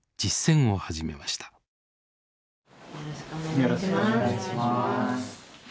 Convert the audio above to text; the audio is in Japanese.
よろしくお願いします。